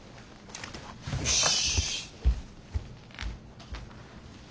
よし。